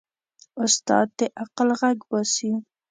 استاد د عقل غږ باسي.